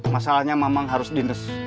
masalahnya mamang harus dinus